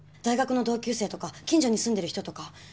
大学の同級生とか近所に住んでる人とか。